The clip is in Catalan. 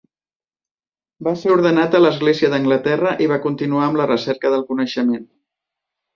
Va ser ordenat a l'Església d'Anglaterra i va continuar amb la recerca del coneixement.